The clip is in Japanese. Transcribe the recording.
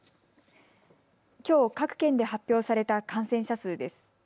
きょう各県で発表された感染者数です。